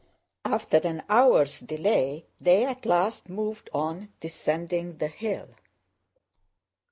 After an hour's delay they at last moved on, descending the hill.